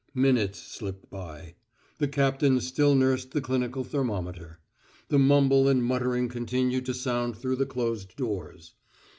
Minutes slipped by. The captain still nursed the clinical thermometer. The mumble and muttering continued to sound through the closed doors.